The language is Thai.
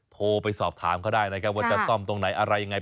โทรไปสอบถามเขาได้นะครับว่าจะซ่อมตรงไหนอะไรยังไง